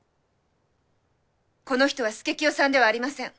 この人は佐清さんではありません。